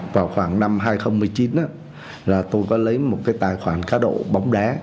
vào khoảng năm hai nghìn một mươi chín tôi có lấy một tài khoản cá độ bóng đá